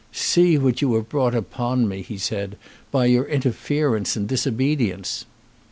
"See what you have brought upon me," he said, "by your interference and disobedience."